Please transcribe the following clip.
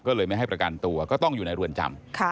ก็เลยไม่ให้ประกันตัวก็ต้องอยู่ในเรือนจำ